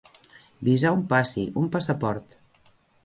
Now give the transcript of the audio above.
Visar un passi, un passaport.